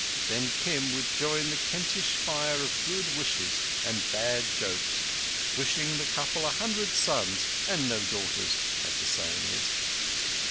Then Kim would join the Kentish fire of good wishes and bad jokes, wishing the couple a hundred sons and no daughters, as the saying is.